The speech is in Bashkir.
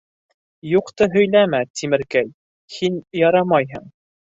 — Юҡты һөйләмә, Тимеркәй, һин ярамайһың.